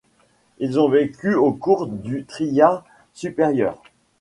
Ils ont vécu au cours du Trias supérieur.